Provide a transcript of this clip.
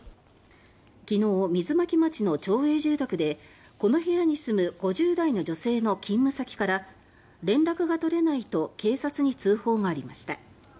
きのう水巻町の町営住宅でこの部屋に住む５０代の女性の勤務先から「連絡が取れない」と警察に通報がありました。